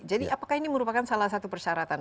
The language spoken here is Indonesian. jadi apakah ini merupakan salah satu persyaratan